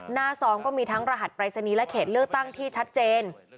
ซองก็มีทั้งรหัสปรายศนีย์และเขตเลือกตั้งที่ชัดเจน